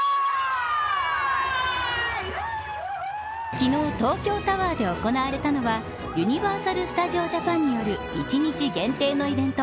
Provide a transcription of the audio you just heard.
昨日東京タワーで行われたのはユニバーサル・スタジオ・ジャパンによる１日限定のイベント